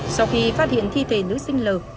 sau khi phát hiện thi thể nữ sinh l